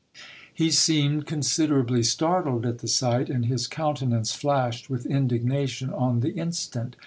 He seemed considerably startled at the sight ; and his countenance flashed with indignation on the instant.